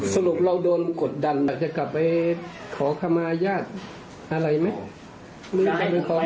สรุปเราโดนกดดันจะกลับไปขอขอมายาทธิ์อะไรมั้ย